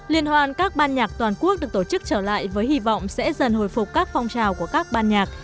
liên hoan các ban nhạc toàn quốc được tổ chức trở lại với hy vọng sẽ dần hồi phục các phong trào của các ban nhạc